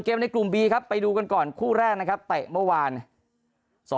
ในกลุ่มบีครับไปดูกันก่อนคู่แรกนะครับเตะเมื่อวาน